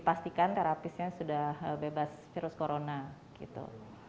pastikan terapisnya sudah bebas virus corona gitu